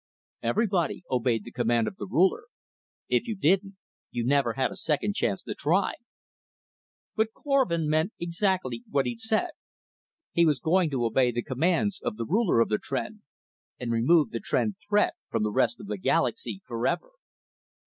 Everybody obeyed the command of the Ruler. If you didn't, you never had a second chance to try. But Korvin meant exactly what he'd said. He was going to obey the commands of the Ruler of the Tr'en and remove the Tr'en threat from the rest of the galaxy forever.